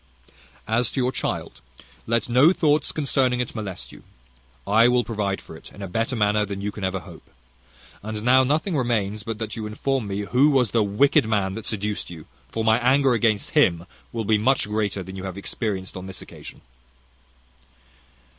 "As to your child, let no thoughts concerning it molest you; I will provide for it in a better manner than you can ever hope. And now nothing remains but that you inform me who was the wicked man that seduced you; for my anger against him will be much greater than you have experienced on this occasion."